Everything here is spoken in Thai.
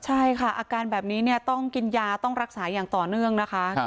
ใช่ค่ะอาการแบบนี้ต้องกินยาต้องรักษาอย่างต่อเนื่องนะคะ